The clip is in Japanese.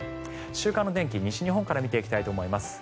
週間の天気、西日本から見ていきたいと思います。